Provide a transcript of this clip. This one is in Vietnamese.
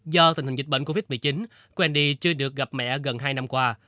do tình hình dịch bệnh covid một mươi chín quendi chưa được gặp mẹ gần hai năm qua